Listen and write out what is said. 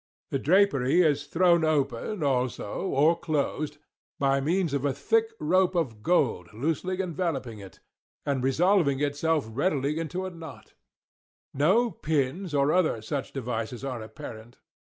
The drapery is thrown open also, or closed, by means of a thick rope of gold loosely enveloping it, and resolving itself readily into a knot; no pins or other such devices are apparent.